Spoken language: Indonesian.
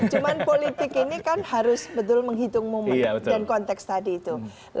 cuman politik ini kan harus betul menghitung momen dan konteks tadi itu